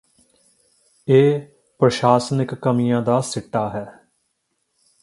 ਇਹ ਪ੍ਰਸ਼ਾਸਨਿਕ ਕਮੀਆਂ ਦਾ ਸਿੱਟਾ ਹੈ